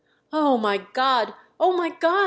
"Oh, my God! Oh, my God!"